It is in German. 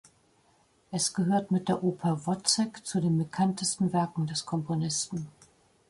Es gehört mit der Oper "Wozzeck" zu den bekanntesten Werken des Komponisten.